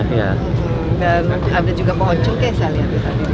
dan ada juga pohon cengkeh saya lihat